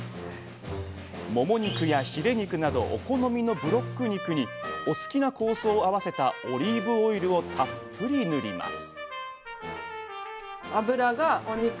もも肉やヒレ肉などお好みのブロック肉にお好きな香草を合わせたオリーブオイルをたっぷり塗りますあ